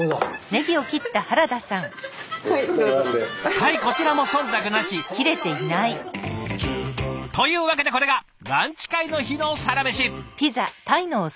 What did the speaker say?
はいこちらもそんたくなし！というわけでこれがランチ会の日のサラメシ。